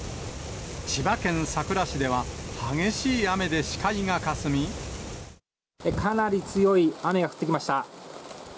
千葉県佐倉市では、かなり強い雨が降ってきました。